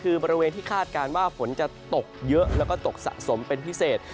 คือบริเวณที่คาดการณ์ว่าฝนจะตกเยอะแล้วก็ตกสะสมเป็นพิเศษ